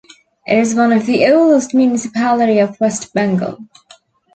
It is one of the oldest municipality of West Bengal.